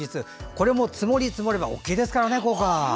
これも積もり積もれば効果が大きいですからね。